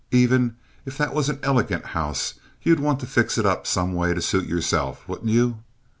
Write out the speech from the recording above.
Even if that was an elegant house, you'd want to fix it up some way to suit yourself, wouldn't you?